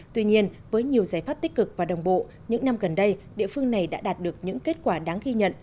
tuy nhiên với nhiều giải pháp tích cực và đồng bộ những năm gần đây địa phương này đã đạt được những kết quả đáng ghi nhận